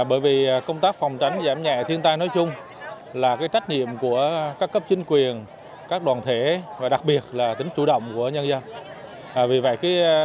phòng chống và giảm nhẹ thiên tai năm nay mục đích nâng cao nhận thức cho người dân và cộng đồng và các nhà quản lý